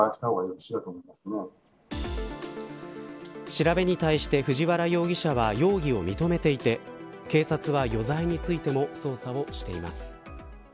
調べに対して、藤原容疑者は容疑を認めていて警察は余罪についても捜査をしています。